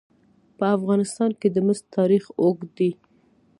په افغانستان کې د مس تاریخ اوږد دی.